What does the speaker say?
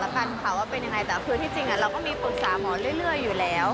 แต่คือที่จริงเราก็มีปรึกษาหมอเรื่อยอยู่แล้ว